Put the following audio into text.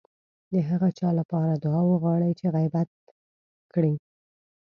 د هغه چا لپاره دعا وغواړئ چې غيبت کړی.